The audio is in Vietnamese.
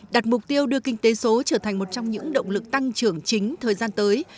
đặt mục tiêu đưa kinh tế số trở thành một trong những động lực tăng trưởng chính thời gian tới